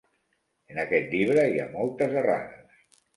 En aquest llibre hi ha moltes errades.